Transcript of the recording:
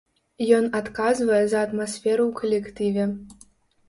Ён адказвае за атмасферу ў калектыве.